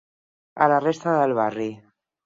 A la resta del barri.